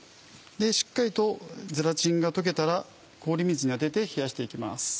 しっかりとゼラチンが溶けたら氷水に当てて冷やして行きます。